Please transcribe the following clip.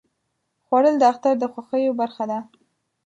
خوړل د اختر د خوښیو برخه ده